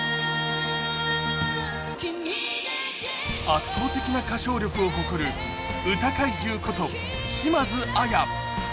圧倒的な歌唱力を誇る、歌怪獣こと島津亜矢。